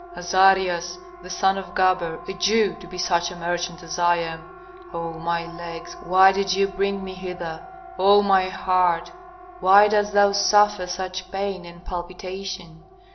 Azarias, the son of Gaber, a Jew, to be such a merchant as I am. Oh, my legs, why did ye bring me hither? Oh, my heart, why dost thou suffer such pain and palpitation?